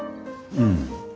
うん。